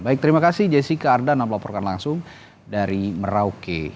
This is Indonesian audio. baik terima kasih jessica ardhan aku laporkan langsung dari merauke